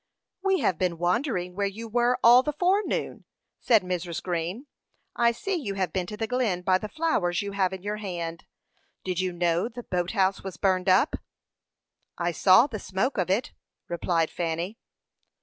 "We have been wondering where you were, all the forenoon," said Mrs. Green. "I see you have been to the Glen by the flowers you have in your hand. Did you know the boat house was burned up?" "I saw the smoke of it," replied Fanny.